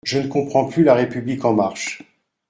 Je ne comprends plus La République en marche.